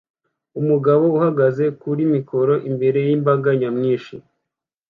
Umugabo uhagaze kuri mikoro imbere yimbaga nyamwinshi